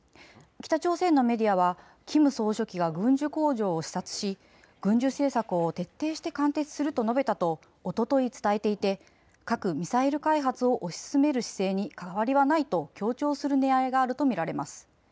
北朝鮮のメディアはキム総書記が軍需工場を視察し軍需政策を徹底して貫徹すると述べたとおととい伝えていて核・ミサイル開発を推し進める姿勢に変わりはないと強調するねらいがあると見られます。